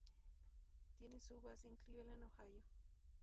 Tienen su base en Cleveland, Ohio.